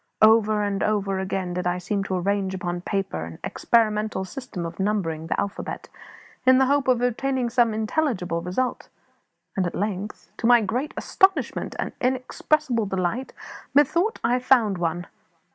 Over and over again did I seem to arrange upon paper an experimental system of numbering the alphabet, in the hope of obtaining some intelligible result; and at length, to my great astonishment and inexpressible delight, methought I found one.